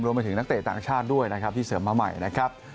นักเตะต่างชาติด้วยนะครับที่เสริมมาใหม่นะครับ